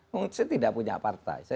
saya tidak punya partai